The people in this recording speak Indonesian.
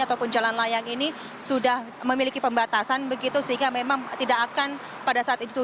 ataupun jalan layang ini sudah memiliki pembatasan begitu sehingga memang tidak akan pada saat itu